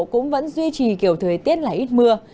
cũng vẫn duy trì kiểu thời tiết là ít mưa